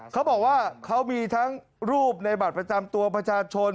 เขาบอกว่าเขามีทั้งรูปในบัตรประจำตัวประชาชน